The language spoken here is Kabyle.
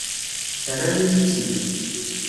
Terram-iyi-tt-id.